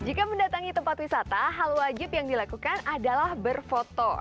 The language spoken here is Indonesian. jika mendatangi tempat wisata hal wajib yang dilakukan adalah berfoto